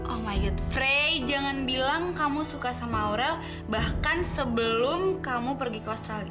oh my youth frey jangan bilang kamu suka sama aurel bahkan sebelum kamu pergi ke australia